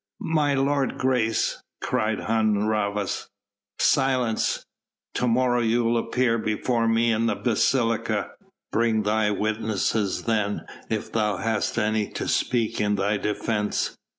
"My lord's grace " cried Hun Rhavas. "Silence! To morrow thou'lt appear before me in the basilica. Bring thy witnesses then if thou hast any to speak in thy defence.